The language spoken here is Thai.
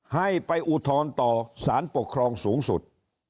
ให้ไปอุทธรณ์ต่อสารปกครองสูงสุด